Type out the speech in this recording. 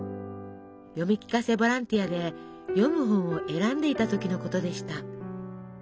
読み聞かせボランティアで読む本を選んでいた時のことでした。